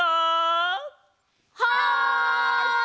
はい！